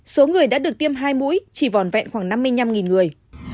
số người đã được tiêm hai mũi chỉ vòn vẹn khoảng năm mươi năm người